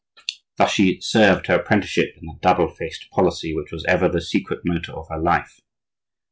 Thus she served her apprenticeship in that double faced policy which was ever the secret motor of her life.